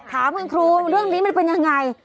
ถามคุณครูเรื่องนี้มันเป็นยังไง